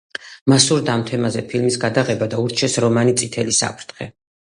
მას სურდა ამ თემაზე ფილმის გადაღება და ურჩიეს რომანი „წითელი საფრთხე“.